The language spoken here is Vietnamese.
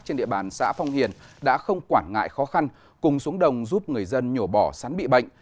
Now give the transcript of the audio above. trên địa bàn xã phong hiền đã không quản ngại khó khăn cùng xuống đồng giúp người dân nhổ bỏ sắn bị bệnh